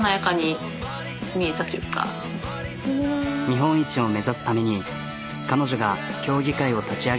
日本一を目指すために彼女が協議会を立ち上げた。